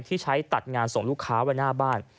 ที่ใช้ตัดงานส่งลูกค้าไว้หน้าบ้าน